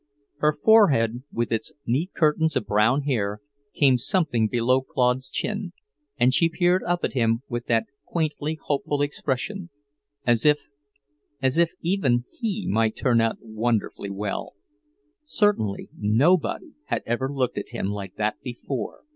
Her forehead, with its neat curtains of brown hair, came something below Claude's chin, and she peered up at him with that quaintly hopeful expression, as if as if even he might turn out wonderfully well! Certainly, nobody had ever looked at him like that before.